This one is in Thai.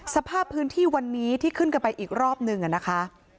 สภาพพื้นที่วันนี้ที่ขึ้นกันไปอีกรอบหนึ่งนะคะ